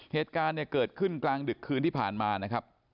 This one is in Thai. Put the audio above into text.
เหตุการณ์เนี่ยเกิดขึ้นกลางดึกคืนที่ผ่านมานะครับ